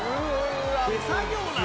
手作業なの？